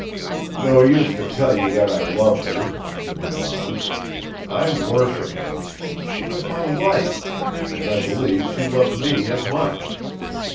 "No use to tell you that I loved her," he went on. "I worshipped her. She was my life. And I believe she loved me as much.